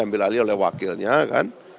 ambil alih oleh wakilnya kan